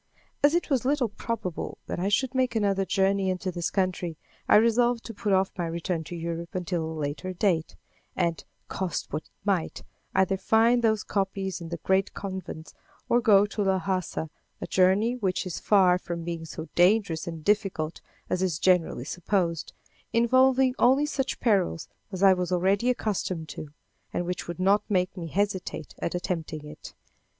As it was little probable that I should make another journey into this country, I resolved to put off my return to Europe until a later date, and, cost what it might, either find those copies in the great convents or go to Lhassa a journey which is far from being so dangerous and difficult as is generally supposed, involving only such perils as I was already accustomed to, and which would not make me hesitate at attempting it.